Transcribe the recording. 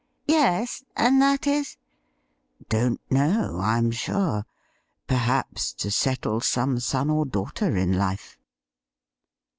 ' Yes, and that is ?'' Don't know, I'm sure ; perhaps to settle gome son or daughter in life.'